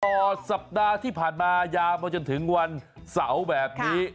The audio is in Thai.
ตลอดสัปดาห์ที่ผ่านมายาวมาจนถึงวันเสาร์แบบนี้